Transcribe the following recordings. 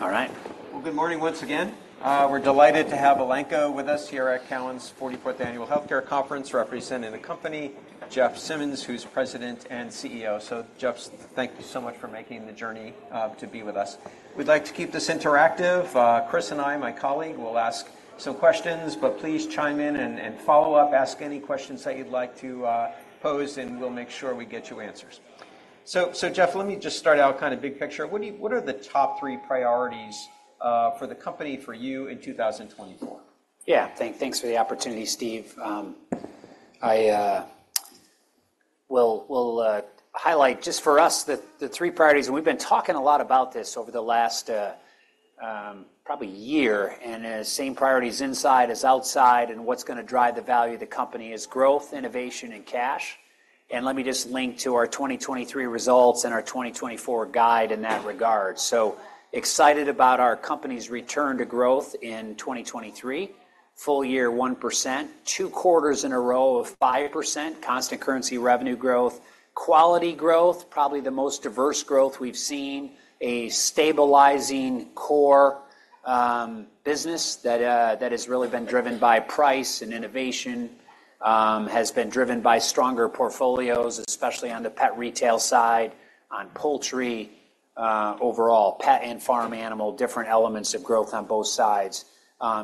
All right. Well, good morning once again. We're delighted to have Elanco with us here at Cowen's 44th Annual Healthcare Conference, representing the company, Jeff Simmons, who's President and CEO. So Jeff, thank you so much for making the journey to be with us. We'd like to keep this interactive. Chris and I, my colleague, will ask some questions, but please chime in and follow up, ask any questions that you'd like to pose, and we'll make sure we get you answers. So Jeff, let me just start out kind of big picture. What are the top three priorities for the company, for you in 2024? Yeah. Thanks for the opportunity, Steve. I will highlight just for us the three priorities, and we've been talking a lot about this over the last probably year. And the same priorities inside as outside, and what's gonna drive the value of the company is growth, innovation, and cash. And let me just link to our 2023 results and our 2024 guide in that regard. So excited about our company's return to growth in 2023, full year, 1%, two quarters in a row of 5% constant currency revenue growth. Quality growth, probably the most diverse growth we've seen, a stabilizing core, business that has really been driven by price and innovation, has been driven by stronger portfolios, especially on the pet retail side, on poultry, overall, pet and farm animal, different elements of growth on both sides.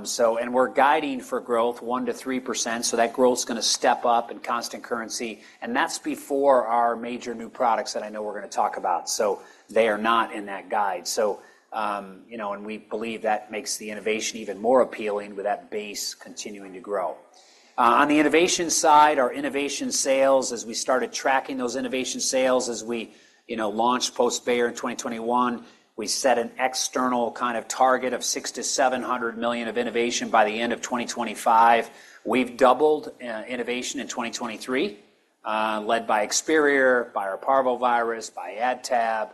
So, and we're guiding for growth 1%-3%, so that growth's gonna step up in constant currency, and that's before our major new products that I know we're gonna talk about, so they are not in that guide. So, you know, and we believe that makes the innovation even more appealing with that base continuing to grow. On the innovation side, our innovation sales, as we started tracking those innovation sales, as we, you know, launched post-Bayer in 2021, we set an external kind of target of $600 million-$700 million of innovation by the end of 2025. We've doubled innovation in 2023, led by Experior, by our Parvovirus, by AdTab,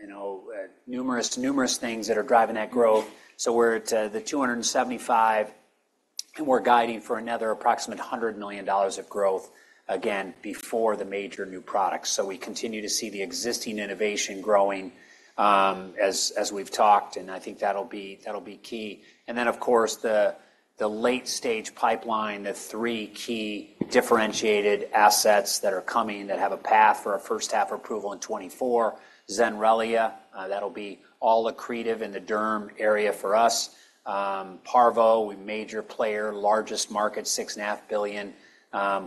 you know, numerous, numerous things that are driving that growth. So we're at the 275, and we're guiding for another approximate $100 million of growth, again, before the major new products. So we continue to see the existing innovation growing, as we've talked, and I think that'll be, that'll be key. And then, of course, the late-stage pipeline, the three key differentiated assets that are coming that have a path for a first-half approval in 2024, Zenrelia, that'll be all accretive in the derm area for us. Parvo, a major player, largest market, $6.5 billion,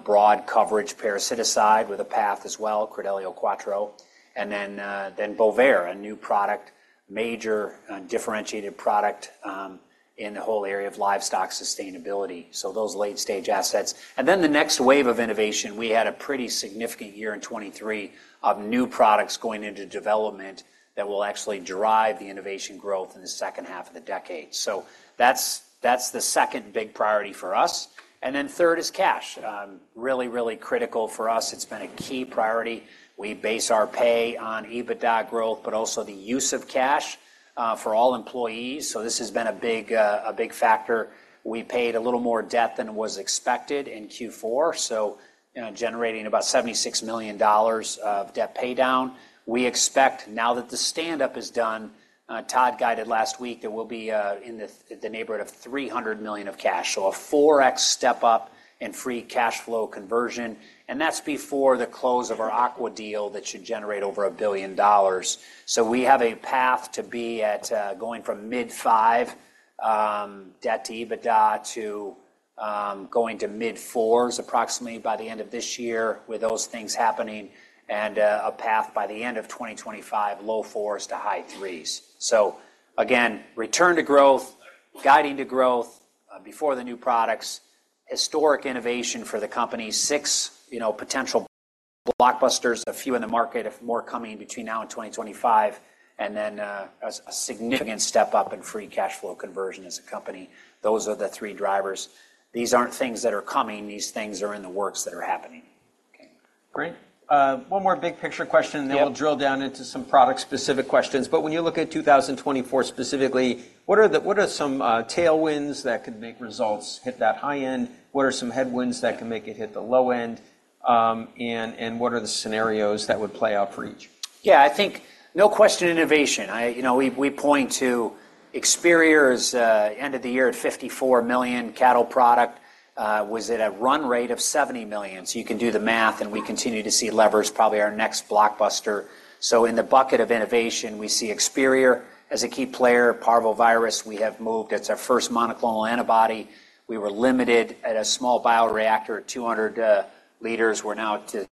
broad coverage parasiticide with a path as well, Credelio Quattro, and then, then Bovaer, a new product, major, differentiated product, in the whole area of livestock sustainability. So those late-stage assets. And then the next wave of innovation, we had a pretty significant year in 2023 of new products going into development that will actually drive the innovation growth in the second half of the decade. So that's, that's the second big priority for us. And then third is cash. Really, really critical for us. It's been a key priority. We base our pay on EBITDA growth, but also the use of cash, for all employees. So this has been a big factor. We paid a little more debt than was expected in Q4, so you know, generating about $76 million of debt paydown. We expect now that the stand-up is done, Todd guided last week, that we'll be in the neighborhood of $300 million of cash. So a 4x step-up in free cash flow conversion, and that's before the close of our Aqua deal that should generate over $1 billion. So we have a path to be at going from mid-five debt to EBITDA to going to mid-4s approximately by the end of this year with those things happening and a path by the end of 2025, low-4s to high-3s. So again, return to growth, guiding to growth before the new products, historic innovation for the company, six, you know, potential blockbusters, a few in the market, a few more coming between now and 2025, and then a significant step up in free cash flow conversion as a company. Those are the three drivers. These aren't things that are coming; these things are in the works that are happening. Okay, great. One more big picture question- Yeah. Then we'll drill down into some product-specific questions. But when you look at 2024 specifically, what are some tailwinds that could make results hit that high end? What are some headwinds that can make it hit the low end? And what are the scenarios that would play out for each? Yeah, I think no question, innovation. I... You know, we point to Experior's end of the year at $54 million cattle product was at a run rate of $70 million. So you can do the math, and we continue to see levers, probably our next blockbuster. So in the bucket of innovation, we see Experior as a key player. Parvovirus, we have moved. It's our first monoclonal antibody. We were limited at a small bioreactor at 200 liters. We're now to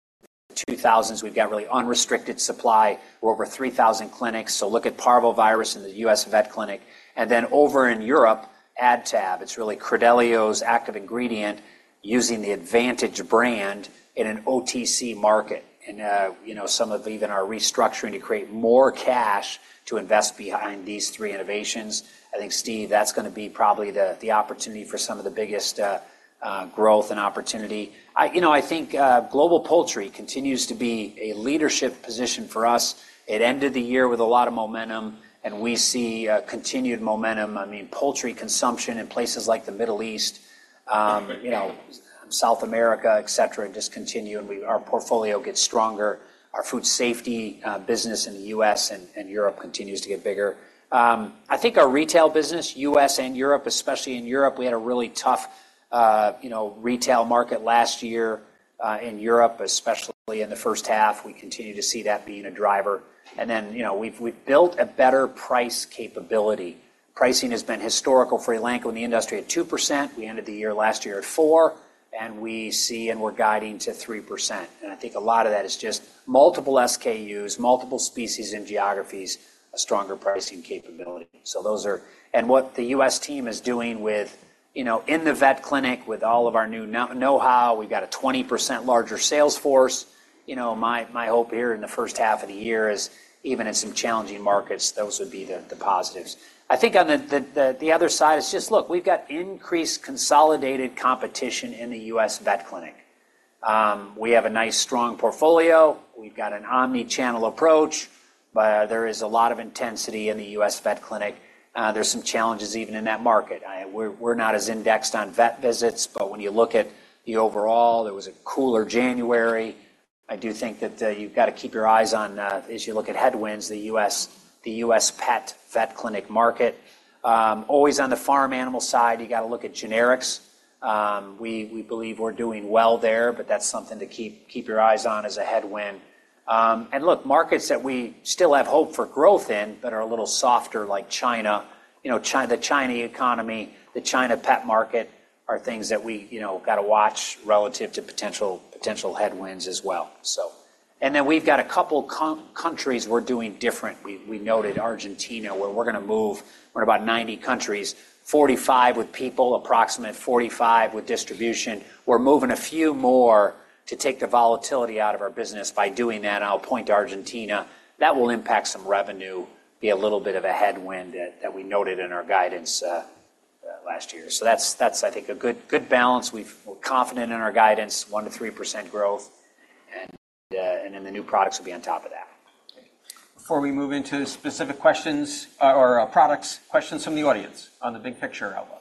2,000. We've got really unrestricted supply. We're over 3,000 clinics. So look at Parvovirus in the US vet clinic. And then over in Europe, AdTab. It's really Credelio's active ingredient using the Advantage brand in an OTC market. And, you know, some of even our restructuring to create more cash to invest behind these three innovations. I think, Steve, that's gonna be probably the opportunity for some of the biggest growth and opportunity. You know, I think Global Poultry continues to be a leadership position for us. It ended the year with a lot of momentum, and we see continued momentum. I mean, poultry consumption in places like the Middle East, you know, South America, et cetera, just continue, and our portfolio gets stronger. Our food safety business in the U.S. and Europe continues to get bigger. I think our retail business, US and Europe, especially in Europe, we had a really tough, you know, retail market last year in Europe, especially in the first half. We continue to see that being a driver. And then, you know, we've built a better price capability. Pricing has been historical for Elanco in the industry at 2%. We ended the year last year at 4%, and we see, and we're guiding to 3%, and I think a lot of that is just multiple SKUs, multiple species and geographies, a stronger pricing capability. So those are. And what the U.S. team is doing with, you know, in the vet clinic, with all of our new know-how, we've got a 20% larger sales force. You know, my, my hope here in the first half of the year is even in some challenging markets, those would be the positives. I think on the other side, it's just, look, we've got increased consolidated competition in the U.S. vet clinic. We have a nice, strong portfolio. We've got an omni-channel approach, but there is a lot of intensity in the U.S. vet clinic. There's some challenges even in that market. We're not as indexed on vet visits, but when you look at the overall, there was a cooler January. I do think that, you've got to keep your eyes on, as you look at headwinds, the US pet vet clinic market. Always on the farm animal side, you got to look at generics. We believe we're doing well there, but that's something to keep your eyes on as a headwind. And look, markets that we still have hope for growth in but are a little softer, like China, you know, the China economy, the China pet market, are things that we, you know, got to watch relative to potential headwinds as well. So... And then we've got a couple countries we're doing differently. We noted Argentina, where we're gonna move. We're about 90 countries, 45 with people, approximately 45 with distribution. We're moving a few more to take the volatility out of our business by doing that, and I'll point to Argentina. That will impact some revenue, be a little bit of a headwind that we noted in our guidance last year. So that's, I think, a good, good balance. We're confident in our guidance, 1%-3% growth, and then the new products will be on top of that. Before we move into specific questions or, products, questions from the audience on the big picture outlook?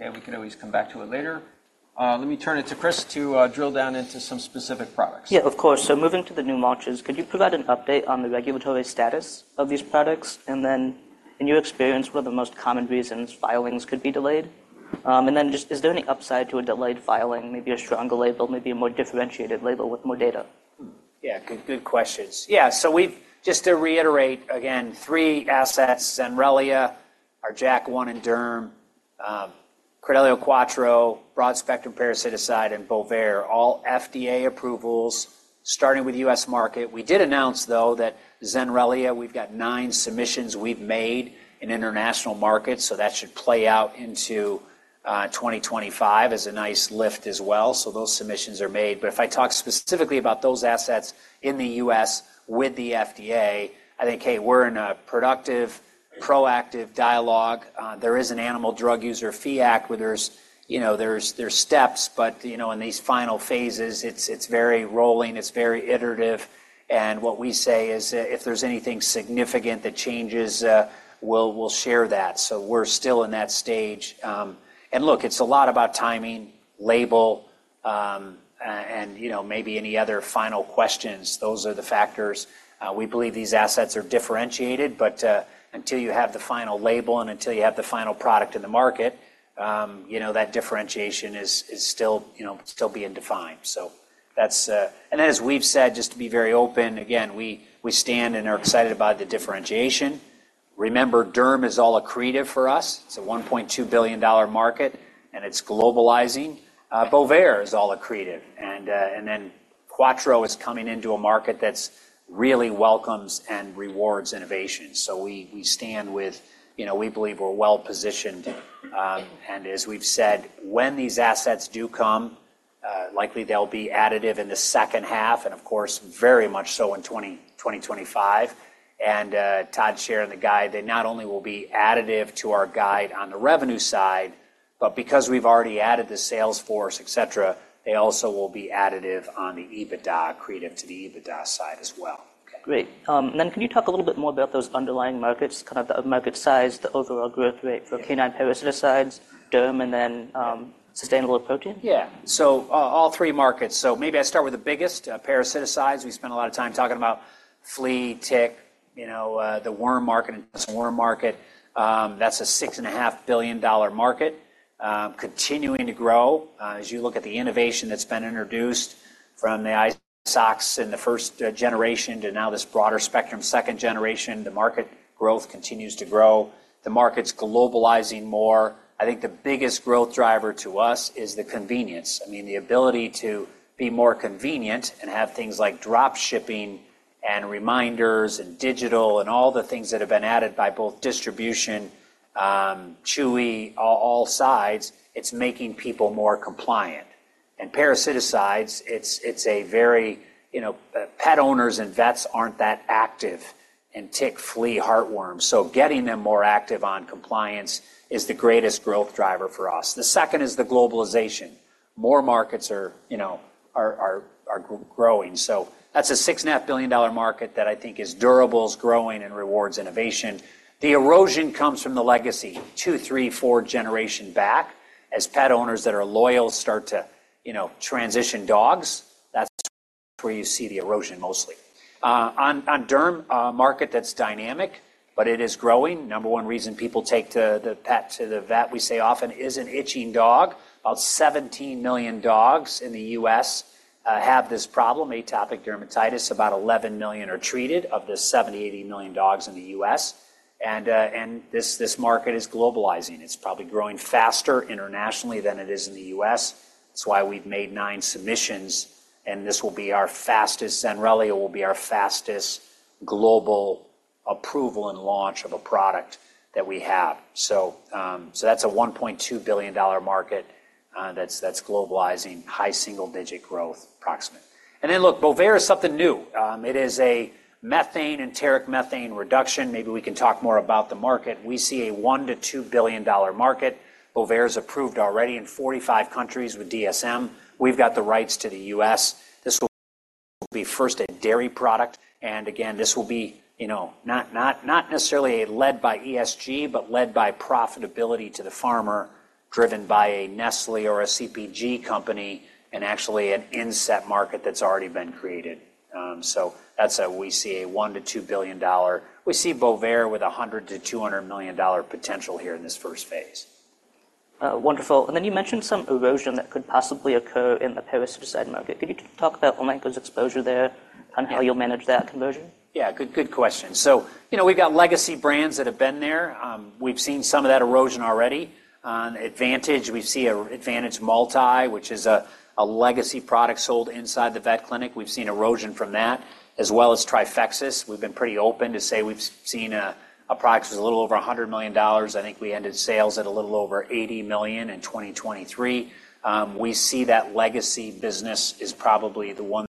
Okay, we can always come back to it later. Let me turn it to Chris to, drill down into some specific products. Yeah, of course. So moving to the new launches, could you provide an update on the regulatory status of these products? And then in your experience, what are the most common reasons filings could be delayed? And then just, is there any upside to a delayed filing, maybe a stronger label, maybe a more differentiated label with more data? Yeah, good, good questions. Yeah, so we've just to reiterate, again, three assets, Zenrelia, our JAK-1 and Derm, Credelio Quattro, broad-spectrum parasiticide, and Bovaer, all FDA approvals, starting with U.S. market. We did announce, though, that Zenrelia, we've got 9 submissions we've made in international markets, so that should play out into 2025 as a nice lift as well. So those submissions are made. But if I talk specifically about those assets in the U.S. with the FDA, I think, hey, we're in a productive, proactive dialogue. There is an Animal Drug User Fee Act where there's, you know, steps, but, you know, in these final phases, it's very rolling, it's very iterative. And what we say is, if there's anything significant that changes, we'll share that. So we're still in that stage. And look, it's a lot about timing, label, and, you know, maybe any other final questions. Those are the factors. We believe these assets are differentiated, but until you have the final label and until you have the final product in the market, you know, that differentiation is still, you know, still being defined. So that's... And as we've said, just to be very open, again, we stand and are excited about the differentiation. Remember, Derm is all accretive for us. It's a $1.2 billion market, and it's globalizing. Bovaer is all accretive, and then Quattro is coming into a market that's really welcomes and rewards innovation. So we stand with, you know, we believe we're well-positioned. And as we've said, when these assets do come, likely they'll be additive in the second half and of course, very much so in 2025. Todd shared in the guide, they not only will be additive to our guide on the revenue side, but because we've already added the sales force, etc., they also will be additive on the EBITDA, accretive to the EBITDA side as well. Great. Then can you talk a little bit more about those underlying markets, kind of the market size, the overall growth rate for canine parasiticides, derm, and then, sustainable protein? Yeah. So all three markets. So maybe I start with the biggest, parasiticides. We spent a lot of time talking about flea, tick, you know, the worm market and post-worm market. That's a $6.5 billion market, continuing to grow. As you look at the innovation that's been introduced from the isoxazoline in the first generation to now this broader spectrum, second generation, the market growth continues to grow. The market's globalizing more. I think the biggest growth driver to us is the convenience. I mean, the ability to be more convenient and have things like drop shipping and reminders and digital and all the things that have been added by both distribution, Chewy, all sides, it's making people more compliant. Parasiticides, it's a very, you know, pet owners and vets aren't that active in tick, flea, heartworm, so getting them more active on compliance is the greatest growth driver for us. The second is the globalization. More markets are, you know, growing. So that's a $6.5 billion market that I think is durables, growing, and rewards innovation. The erosion comes from the legacy, two, three, four generation back, as pet owners that are loyal start to, you know, transition dogs. That's where you see the erosion mostly. On derm, a market that's dynamic, but it is growing. Number one reason people take the pet to the vet, we say often, is an itching dog. About 17 million dogs in the US have this problem, atopic dermatitis. About 11 million are treated of the 70-80 million dogs in the US. And this market is globalizing. It's probably growing faster internationally than it is in the US. It's why we've made 9 submissions, and Zenrelia will be our fastest global approval and launch of a product that we have. So that's a $1.2 billion market, that's globalizing high single-digit growth approximate. And then, look, Bovaer is something new. It is a methane, enteric methane reduction. Maybe we can talk more about the market. We see a $1-$2 billion market. Bovaer is approved already in 45 countries with DSM. We've got the rights to the US. This will be first a dairy product, and again, this will be, you know, not, not, not necessarily led by ESG, but led by profitability to the farmer, driven by a Nestlé or a CPG company, and actually an inset market that's already been created. So that's how we see a $1-$2 billion... We see Bovaer with a $100-$200 million potential here in this first phase. Wonderful. And then you mentioned some erosion that could possibly occur in the parasite market. Could you talk about Elanco's exposure there and how you'll manage that conversion? Yeah, good, good question. So, you know, we've got legacy brands that have been there. We've seen some of that erosion already. On Advantage, we see a Advantage Multi, which is a, a legacy product sold inside the vet clinic. We've seen erosion from that, as well as Trifexis. We've been pretty open to say we've seen a, approximately a little over $100 million. I think we ended sales at a little over $80 million in 2023. We see that legacy business is probably the one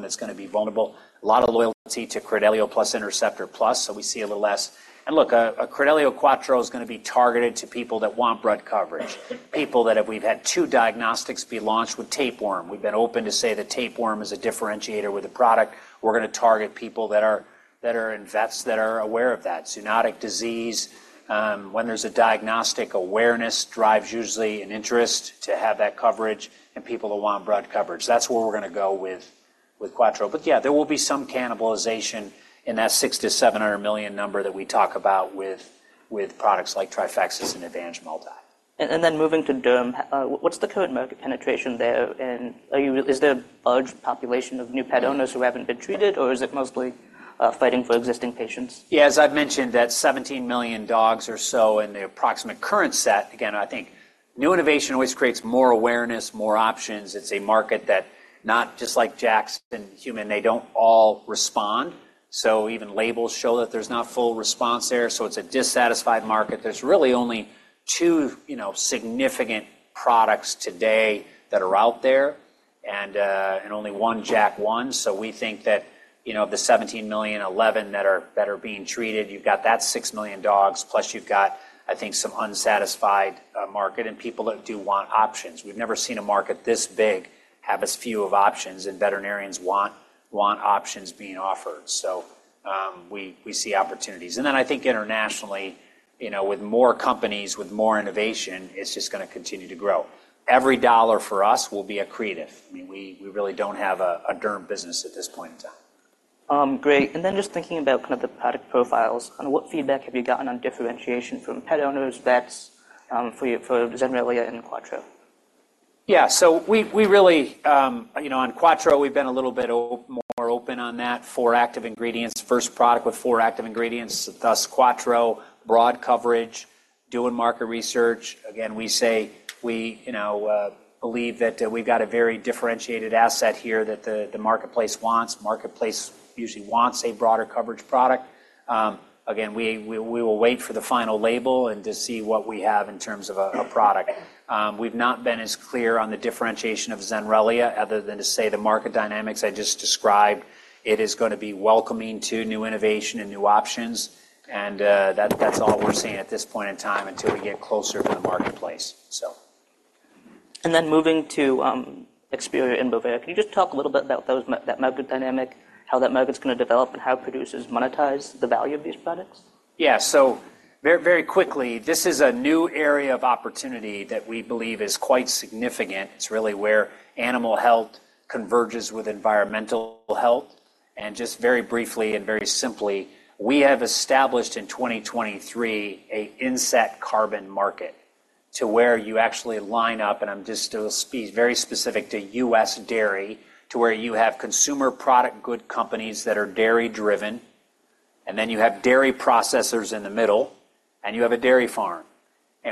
that's gonna be vulnerable. A lot of loyalty to Credelio plus Interceptor Plus, so we see a little less. And look, a, a Credelio Quattro is gonna be targeted to people that want broad coverage, people that have- we've had two diagnostics be launched with tapeworm. We've been open to say that tapeworm is a differentiator with the product. We're gonna target people that are in vets that are aware of that. Zoonotic disease, when there's a diagnostic awareness, drives usually an interest to have that coverage and people who want broad coverage. That's where we're gonna go with Quattro. But yeah, there will be some cannibalization in that $600 million-$700 million number that we talk about with products like Trifexis and Advantage Multi. Then moving to derm, what's the current market penetration there, and is there a large population of new pet owners who haven't been treated, or is it mostly fighting for existing patients? Yeah, as I've mentioned, that 17 million dogs or so in the approximate current set, again, I think new innovation always creates more awareness, more options. It's a market that not just like JAK and human, they don't all respond. So even labels show that there's not full response there, so it's a dissatisfied market. There's really only two, you know, significant products today that are out there, and and only one JAK one. So we think that, you know, of the 17 million, 11 that are, that are being treated, you've got that six million dogs, plus you've got, I think, some unsatisfied market and people that do want options. We've never seen a market this big have as few of options, and veterinarians want, want options being offered. So, we, we see opportunities. And then I think internationally, you know, with more companies, with more innovation, it's just gonna continue to grow. Every dollar for us will be accretive. I mean, we really don't have a derm business at this point in time. Great. And then just thinking about kind of the product profiles and what feedback have you gotten on differentiation from pet owners, vets, for your Zenrelia and Quattro? Yeah, so we really, you know, on Quattro, we've been a little bit more open on that. Four active ingredients, first product with four active ingredients, thus Quattro, broad coverage, doing market research. Again, we say we, you know, believe that, we've got a very differentiated asset here that the, the marketplace wants. Marketplace usually wants a broader coverage product. Again, we will wait for the final label and to see what we have in terms of a product. We've not been as clear on the differentiation of Zenrelia other than to say the market dynamics I just described. It is gonna be welcoming to new innovation and new options, and, that, that's all we're seeing at this point in time until we get closer to the marketplace, so... Moving to Experior and Bovaer, can you just talk a little bit about those, that market dynamic, how that market's gonna develop, and how producers monetize the value of these products? Yeah. So very, very quickly, this is a new area of opportunity that we believe is quite significant. It's really where animal health converges with environmental health. Just very briefly and very simply, we have established in 2023 an inset carbon market to where you actually line up, and I'm just gonna be very specific to US dairy, to where you have consumer packaged goods companies that are dairy-driven, and then you have dairy processors in the middle, and you have a dairy farm.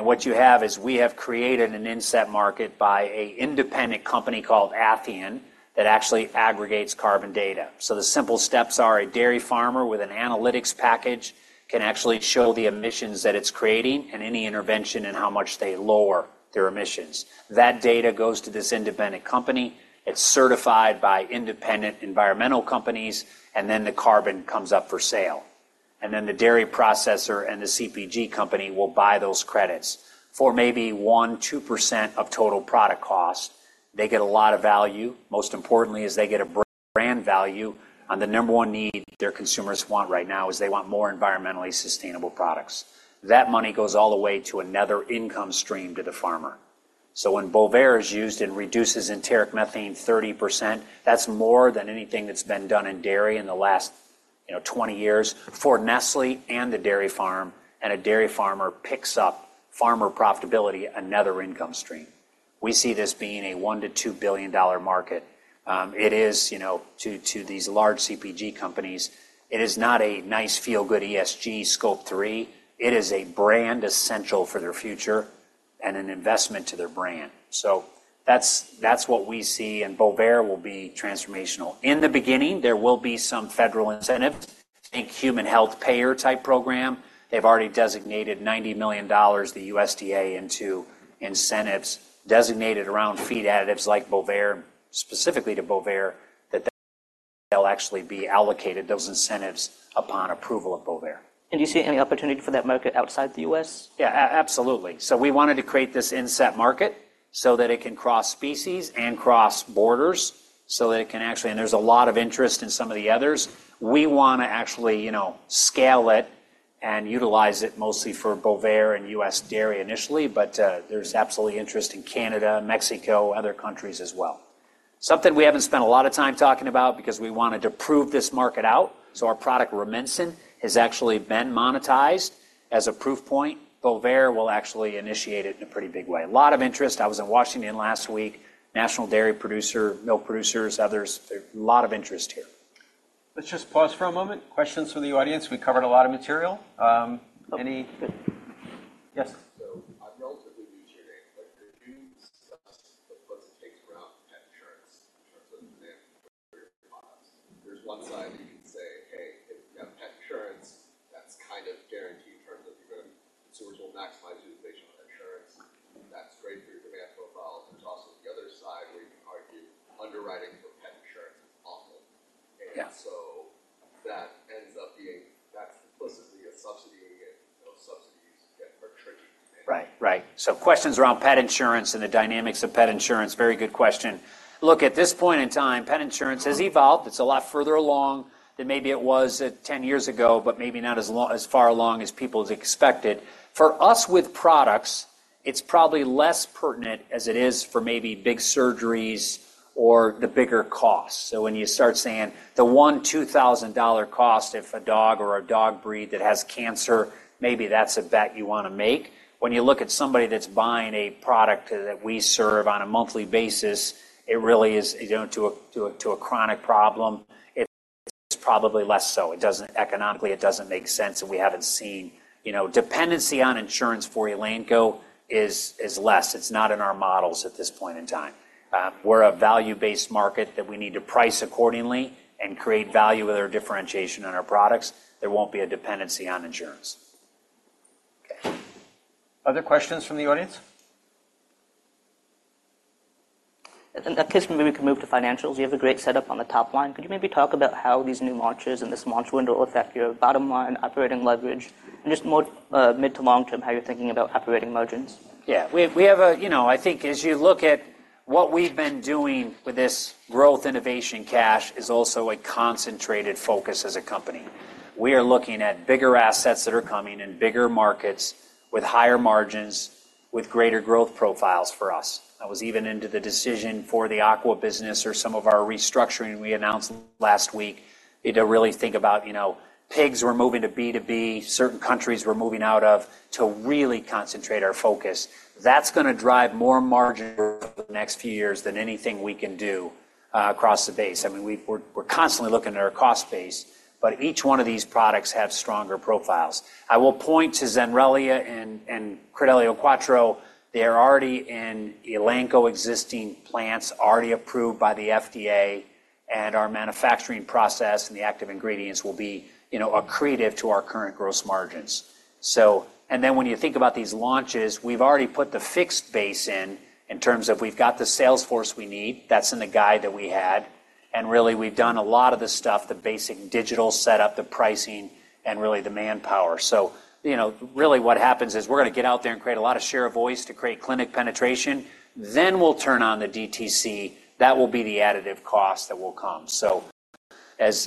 What you have is we have created an in-set market by an independent company called Athian, that actually aggregates carbon data. So the simple steps are a dairy farmer with an analytics package can actually show the emissions that it's creating and any intervention in how much they lower their emissions. That data goes to this independent company. It's certified by independent environmental companies, and then the carbon comes up for sale. And then the dairy processor and the CPG company will buy those credits for maybe 1%-2% of total product cost. They get a lot of value. Most importantly, is they get a brand value on the number one need their consumers want right now, is they want more environmentally sustainable products. That money goes all the way to another income stream to the farmer.... So when Bovaer is used and reduces enteric methane 30%, that's more than anything that's been done in dairy in the last, you know, 20 years. For Nestlé and the dairy farm, and a dairy farmer picks up farmer profitability, another income stream. We see this being a $1 billion-$2 billion market. It is, you know, to these large CPG companies, it is not a nice feel-good ESG Scope 3, it is a brand essential for their future and an investment to their brand. So that's, that's what we see, and Bovaer will be transformational. In the beginning, there will be some federal incentives. Think human health payer-type program. They've already designated $90 million, the USDA, into incentives designated around feed additives like Bovaer, specifically to Bovaer, that they'll actually be allocated those incentives upon approval of Bovaer. Do you see any opportunity for that market outside the US? Yeah, absolutely. So we wanted to create this inset market so that it can cross species and cross borders, so that it can actually-- and there's a lot of interest in some of the others. We wanna actually, you know, scale it and utilize it mostly for Bovaer and US dairy initially, but there's absolutely interest in Canada, Mexico, other countries as well. Something we haven't spent a lot of time talking about because we wanted to prove this market out, so our product Rumensin has actually been monetized as a proof point. Bovaer will actually initiate it in a pretty big way. A lot of interest. I was in Washington last week, national dairy producer, milk producers, others. There's a lot of interest here. Let's just pause for a moment. Questions from the audience? We covered a lot of material. Any... Yes? I'm relatively new to your name, but could you discuss the pros and cons of pet insurance in terms of demand for your products? There's one side that you can say, "Hey, if you have pet insurance, that's kind of guaranteed in terms of you're going to maximize utilization with insurance. That's great for your demand profile." But there's also the other side, where you can argue underwriting for pet insurance is awesome. Yeah. And so that ends up being. That's supposedly a subsidy, and those subsidies get more tricky. Right, right. So questions around pet insurance and the dynamics of pet insurance. Very good question. Look, at this point in time, pet insurance has evolved. It's a lot further along than maybe it was at 10 years ago, but maybe not as far along as people had expected. For us, with products, it's probably less pertinent as it is for maybe big surgeries or the bigger costs. So when you start saying the $1,000-$2,000 cost, if a dog or a dog breed that has cancer, maybe that's a bet you wanna make. When you look at somebody that's buying a product that we serve on a monthly basis, it really is, you know, to a, to a, to a chronic problem, it's probably less so. It doesn't economically, it doesn't make sense, and we haven't seen... You know, dependency on insurance for Elanco is less. It's not in our models at this point in time. We're a value-based market that we need to price accordingly and create value with our differentiation on our products. There won't be a dependency on insurance. Okay. Other questions from the audience? In that case, maybe we can move to financials. You have a great setup on the top line. Could you maybe talk about how these new launches and this launch window will affect your bottom line, operating leverage, and just more, mid to long term, how you're thinking about operating margins? Yeah, we have. You know, I think as you look at what we've been doing with this growth, innovation, cash is also a concentrated focus as a company. We are looking at bigger assets that are coming in bigger markets with higher margins, with greater growth profiles for us. I was even into the decision for the aqua business or some of our restructuring we announced last week. We had to really think about, you know, pigs we're moving to B2B, certain countries we're moving out of to really concentrate our focus. That's gonna drive more margin over the next few years than anything we can do across the base. I mean, we're constantly looking at our cost base, but each one of these products have stronger profiles. I will point to Zenrelia and Credelio Quattro. They are already in Elanco's existing plants, already approved by the FDA, and our manufacturing process and the active ingredients will be, you know, accretive to our current gross margins. So and then when you think about these launches, we've already put the fixed base in, in terms of we've got the sales force we need. That's in the guide that we had. And really, we've done a lot of the stuff, the basic digital setup, the pricing, and really the manpower. So, you know, really what happens is we're gonna get out there and create a lot of share of voice to create clinic penetration. Then we'll turn on the DTC. That will be the additive cost that will come. So as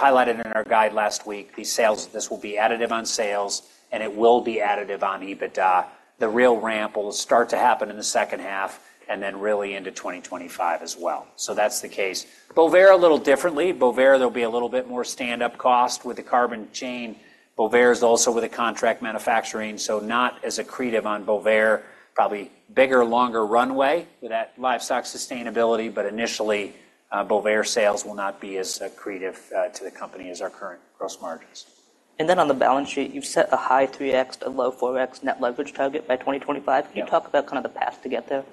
highlighted in our guide last week, these sales, this will be additive on sales, and it will be additive on EBITDA. The real ramp will start to happen in the second half and then really into 2025 as well. So that's the case. Bovaer a little differently. Bovaer, there'll be a little bit more stand-up cost with the carbon chain. Bovaer is also with a contract manufacturing, so not as accretive on Bovaer. Probably bigger, longer runway with that livestock sustainability, but initially, Bovaer sales will not be as accretive to the company as our current gross margins. On the balance sheet, you've set a high 3x-low 4x net leverage target by 2025. Yeah. Can you talk about kind of the path to get there?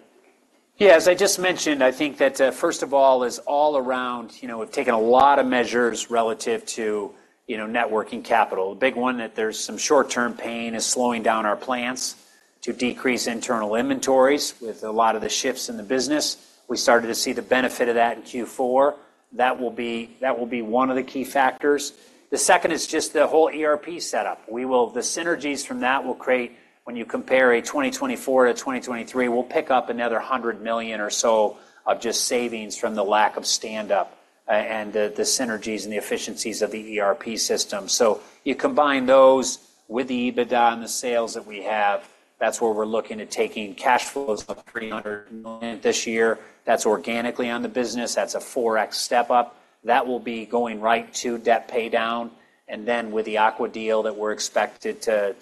Yeah, as I just mentioned, I think that, first of all, is all around, you know, we've taken a lot of measures relative to, you know, net working capital. A big one, that there's some short-term pain, is slowing down our plants to decrease internal inventories. With a lot of the shifts in the business, we started to see the benefit of that in Q4. That will be, that will be one of the key factors. The second is just the whole ERP setup. We will, the synergies from that will create, when you compare 2024 to 2023, we'll pick up another $100 million or so of just savings from the lack of stand-up, and the, the synergies and the efficiencies of the ERP system. So you combine those with the EBITDA and the sales that we have, that's where we're looking at taking cash flows of $300 million this year. That's organically on the business. That's a 4x step-up. That will be going right to debt paydown, and then with the Aqua deal that we're expected to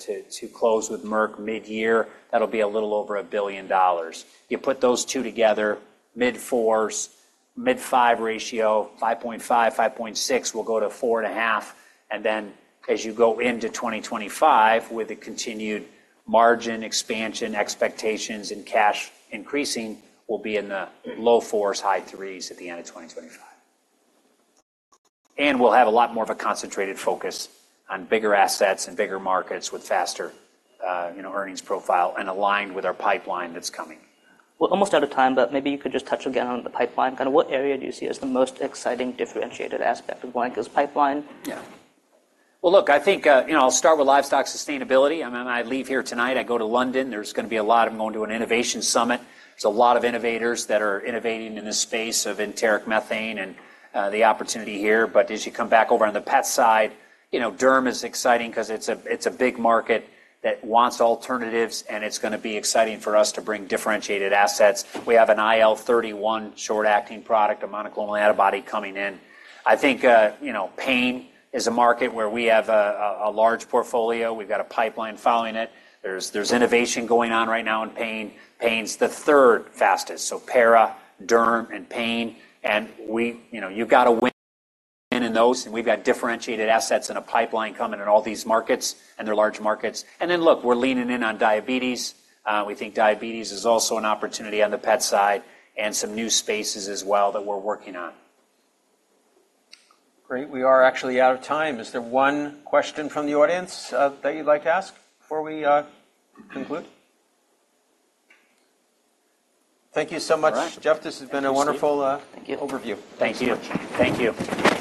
close with Merck mid-year, that'll be a little over $1 billion. You put those two together, mid-4s, mid-5 ratio, 5.5, 5.6, will go to 4.5, and then as you go into 2025, with the continued margin expansion expectations and cash increasing, we'll be in the low 4s, high 3s at the end of 2025. And we'll have a lot more of a concentrated focus on bigger assets and bigger markets with faster, you know, earnings profile and aligned with our pipeline that's coming. We're almost out of time, but maybe you could just touch again on the pipeline. Kinda what area do you see as the most exciting, differentiated aspect of Elanco's pipeline? Yeah. Well, look, I think, you know, I'll start with livestock sustainability, and then I leave here tonight, I go to London. There's gonna be a lot. I'm going to an innovation summit. There's a lot of innovators that are innovating in the space of enteric methane and the opportunity here. But as you come back over on the pet side, you know, derm is exciting 'cause it's a, it's a big market that wants alternatives, and it's gonna be exciting for us to bring differentiated assets. We have an IL-31 short-acting product, a monoclonal antibody coming in. I think, you know, pain is a market where we have a, a, a large portfolio. We've got a pipeline following it. There's, there's innovation going on right now in pain. Pain's the third fastest, so para, derm, and pain, and we, you know, you've got to win in those, and we've got differentiated assets in a pipeline coming in all these markets, and they're large markets. And then, look, we're leaning in on diabetes. We think diabetes is also an opportunity on the pet side and some new spaces as well that we're working on. Great. We are actually out of time. Is there one question from the audience, that you'd like to ask before we conclude? Thank you so much, Jeff. All right. This has been a wonderful- Thank you. - Overview. Thank you. Thanks so much. Thank you.